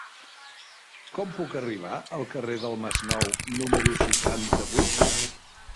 Com puc arribar al carrer del Masnou número seixanta-vuit?